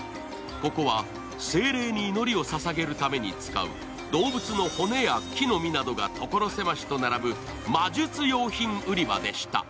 ここは精霊に祈りをささげるために使う動物の骨や木の実などが所狭しと並ぶ魔術用品売り場でした。